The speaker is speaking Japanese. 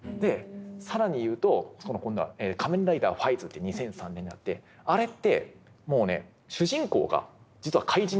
更に言うと今度は「仮面ライダー５５５」って２００３年にあってあれってもうね主人公が実は怪人なんですよ。